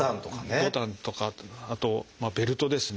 ボタンとかあとベルトですね。